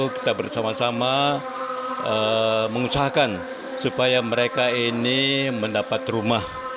kita bersama sama mengusahakan supaya mereka ini mendapat rumah